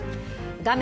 画面